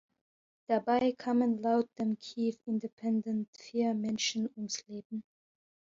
Dabei kamen laut dem Kyiv Independent vier Menschen ums Leben.